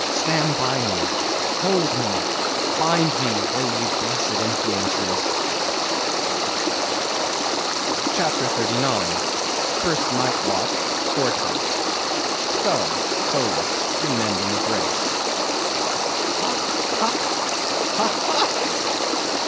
Stand by me, hold me, bind me, O ye blessed influences! CHAPTER 39. First Night Watch. Fore Top. (Stubb solus, and mending a brace.) Ha! ha! ha!